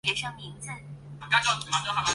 星毛糖芥为十字花科糖芥属下的一个种。